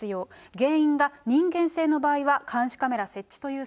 原因が人間性の場合は、監視カメ